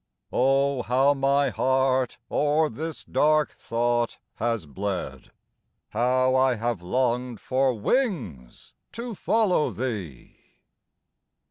Oh, how my heart o'er this dark thought has bled! How I have longed for wings to follow thee!